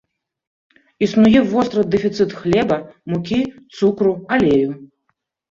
Існуе востры дэфіцыт хлеба, мукі, цукру, алею.